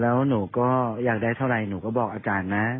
แล้วหนูก็อยากได้เท่าไหร่หนูก็บอกอาจารย์นะ